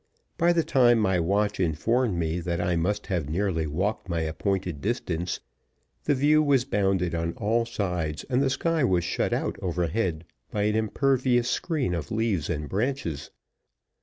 By the time my watch informed me that I must have nearly walked my appointed distance, the view was bounded on all sides and the sky was shut out overhead by an impervious screen of leaves and branches.